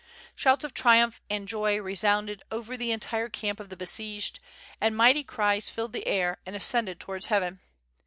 Shouts of triumph and joy resounded over the entire camp of the besieged, and mighty cries filled the air and ascended towards heaven.